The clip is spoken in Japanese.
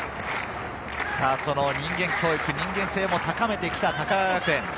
その人間教育、人間性も高めてきた高川学園。